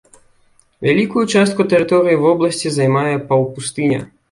Вялікую частку тэрыторыі вобласці займае паўпустыня.